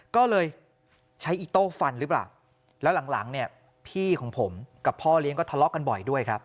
ก็เลยใช้อิโต้ฟันหรือเปล่าแล้วหลังหลังเนี่ยพี่ของผมกับพ่อเลี้ยงก็ทะเลาะกันบ่อยด้วยครับ